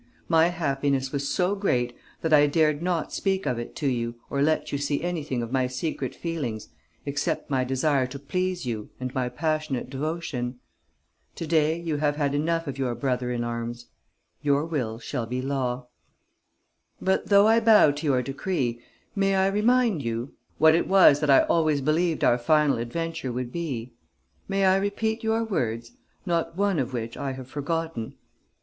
My happiness was so great that I dared not speak of it to you or let you see anything of my secret feelings except my desire to please you and my passionate devotion. To day you have had enough of your brother in arms. Your will shall be law. "But, though I bow to your decree, may I remind you what it was that I always believed our final adventure would be? May I repeat your words, not one of which I have forgotten?